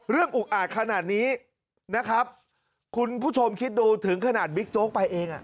อุกอาจขนาดนี้นะครับคุณผู้ชมคิดดูถึงขนาดบิ๊กโจ๊กไปเองอ่ะ